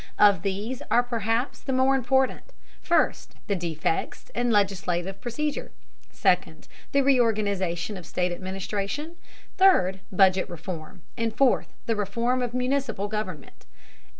Of these the following are perhaps the more important: First, the defects in legislative procedure; second, the reorganization of state administration; third, budget reform; and fourth, the reform of municipal government.